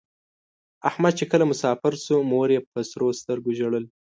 احمد چې کله مسافر شو مور یې په سرو سترگو ژړل.